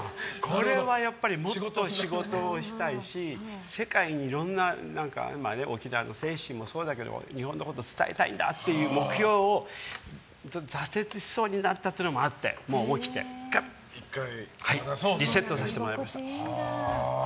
これはやっぱりもっと仕事をしたいし世界にいろんな沖縄の精神もそうだけど日本のことを伝えたいんだという目標を挫折しそうになったというのもあってもう思い切ってリセットさせてもらいました。